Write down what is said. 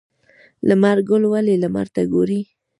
لمر ګل ولې لمر ته ګوري؟